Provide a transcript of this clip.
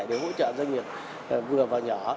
để hỗ trợ doanh nghiệp vừa vào nhỏ